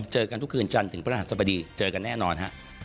เจอกันทุกคืนจันทร์ถึงพระหัสสบดีเจอกันแน่นอนฮะ